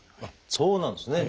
そうなんですね。